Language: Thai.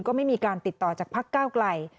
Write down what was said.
ก็ไม่มีการติดต่อจากพักก้าวไกล